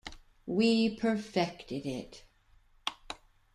We perfected it.